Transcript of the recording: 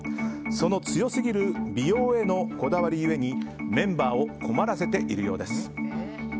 その強すぎる美容へのこだわり故にメンバーを困らせているようです。